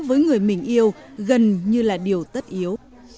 với người mình yêu gần như là điều tất yếu